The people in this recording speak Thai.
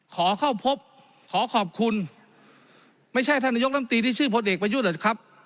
ขอเข้าพบขอขอบคุณไม่ใช่ท่านนโยคน้ำตีที่ชื่อพลเอกไปยุ่นเหรอครับ